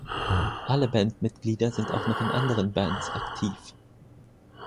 Alle Bandmitglieder sind auch noch in anderen Bands aktiv.